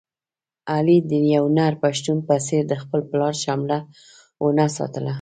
علي د یو نر پښتون په څېر د خپل پلار شمله و نه ساتله.